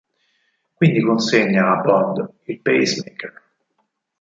Quindi consegna a Bond il pacemaker.